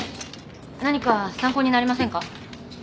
何か参考になりませんか？